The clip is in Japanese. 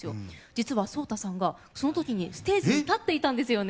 実はＳＯＴＡさんがその時にステージに立っていたんですよね。